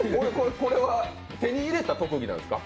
これは手に入れた特技なんですか？